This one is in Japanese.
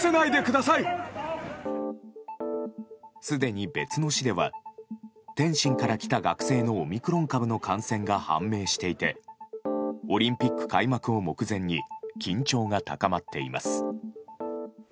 すでに別の市では天津から来た学生のオミクロン株の感染が判明していてオリンピック開幕を目前に緊張が高まっています。